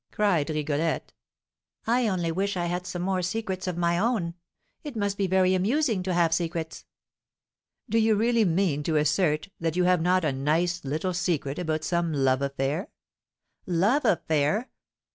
cried Rigolette. "I only wish I had some more secrets of my own; it must be very amusing to have secrets." "Do you really mean to assert that you have not a 'nice little secret' about some love affair?" "Love affair!"